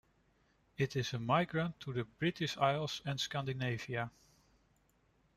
It is a migrant to the British Isles and Scandinavia.